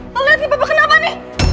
lu liat nih papa kenapa nih